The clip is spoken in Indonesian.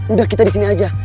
udah kita disini aja